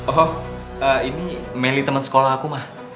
oh ini meli teman sekolah aku ma